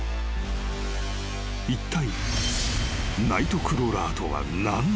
［いったい］